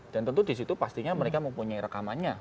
dan tentu disitu pastinya mereka mempunyai rekamannya